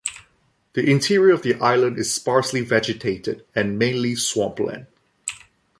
The interior of the island is sparsely vegetated, and mainly swampland.